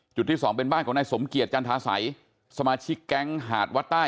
ที่สองเป็นบ้านของนายสมเกียจจันทาสัยสมาชิกแก๊งหาดวัดใต้